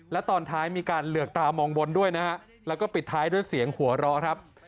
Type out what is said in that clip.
และตอนท้ายมีการเหลือกตามองบนด้วยนะฮะแล้วก็ปิดท้ายด้วยเสียงหัวเราะครับ